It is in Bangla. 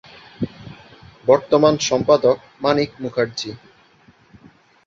বর্তমান সম্পাদক মানিক মুখার্জী।